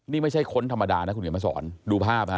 นี่ไม่ใช่คนธรรมดานะคุณเขียนมาสอนดูภาพฮะ